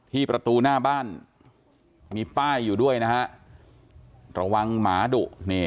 ประตูหน้าบ้านมีป้ายอยู่ด้วยนะฮะระวังหมาดุ